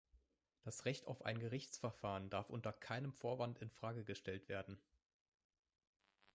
Das Recht auf ein Gerichtsverfahren darf unter keinem Vorwand in Frage gestellt werden.